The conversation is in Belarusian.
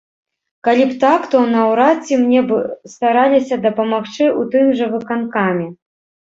Калі б так, то наўрад ці мне б стараліся дапамагчы ў тым жа выканкаме.